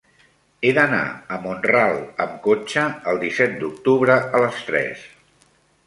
He d'anar a Mont-ral amb cotxe el disset d'octubre a les tres.